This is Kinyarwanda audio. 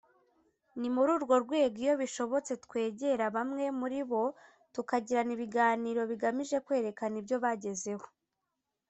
ni muri urwo rwego iyo bishobotse twegera bamwe muri bo tukagirana ibiganiro bigamije kwerekana ibyo bagezeho